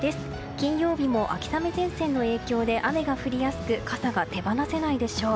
金曜日も秋雨前線の影響で雨が降りやすく傘が手放せないでしょう。